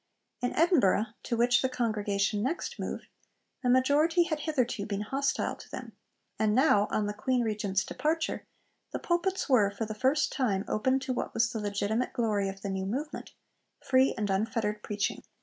In Edinburgh, to which the Congregation next moved, the majority had hitherto been hostile to them; and now, on the Queen Regent's departure, the pulpits were for the first time opened to what was the legitimate glory of the new movement free and unfettered preaching.